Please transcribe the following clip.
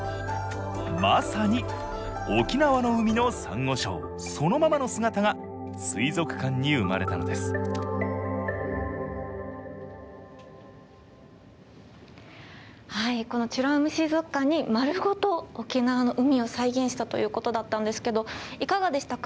まさに沖縄の海のサンゴ礁そのままの姿が水族館に生まれたのですこの美ら海水族館に丸ごと沖縄の海を再現したということだったんですけどいかがでしたか？